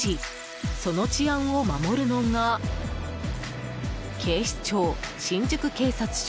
その治安を守るのが警視庁新宿警察署。